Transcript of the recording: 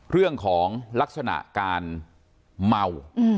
เรื่องของลักษณะการเมา